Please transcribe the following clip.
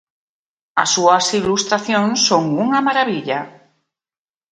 As súas ilustracións son unha marabilla.